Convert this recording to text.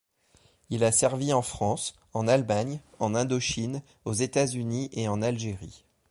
Il a servi en France, en Allemagne, en Indochine, aux États-Unis et en Algérie.